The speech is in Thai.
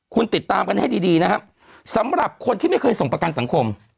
คุณติดตามกันให้ดีนะครับสำหรับคนที่ไม่เคยส่งประกันสังคม